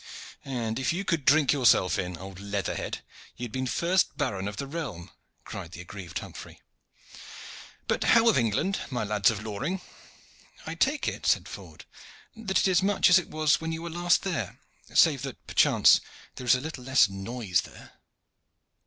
"And if you could drink yourself in, old leather head, you had been first baron of the realm," cried the aggrieved Humphrey. "But how of England, my lads of Loring?" "I take it," said Ford, "that it is much as it was when you were there last, save that perchance there is a little less noise there."